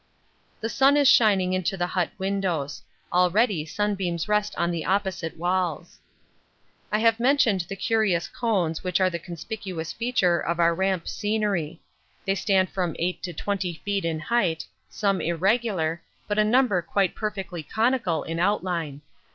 The sun is shining into the hut windows already sunbeams rest on the opposite walls. I have mentioned the curious cones which are the conspicuous feature of our Ramp scenery they stand from 8 to 20 feet in height, some irregular, but a number quite perfectly conical in outline.